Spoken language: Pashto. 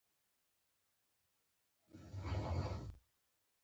البته داسې خلک هم شته چې له زړه نه جګړه نه غواړي.